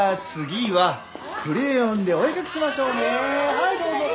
はいどうぞ。